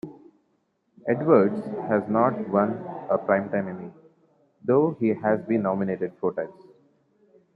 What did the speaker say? Edwards has not won a Primetime Emmy, though he has been nominated four times.